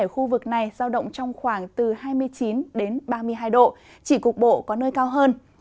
ở khu vực này giao động trong khoảng từ hai mươi chín ba mươi hai độ chỉ cục bộ có nơi cao hơn